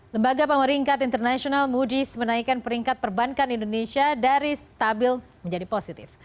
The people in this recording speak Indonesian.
lembaga pemerintah internasional moody's menaikkan peringkat perbankan indonesia dari stabil menjadi positif